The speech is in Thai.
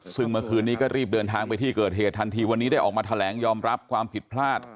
ซึ่งเมื่อคืนนี้ก็รีบเดินทางไปที่เกิดเหตุทันทีวันนี้ได้ออกมาแถลงยอมรับความผิดพลาด